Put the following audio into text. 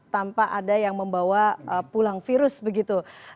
tanpa ada yang membawa pulang virus begitu